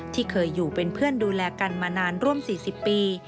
ที่เคยอยู่เป็นเพื่อนดูแลกันมานานร่วม๔๐ปี